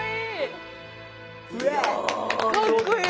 かっこいい。